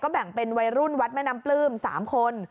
แบ่งเป็นวัยรุ่นวัดแม่น้ำปลื้ม๓คน